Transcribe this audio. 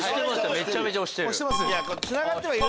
めちゃめちゃ押してる。